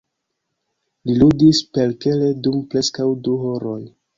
Li ludis parkere dum preskaŭ du horoj.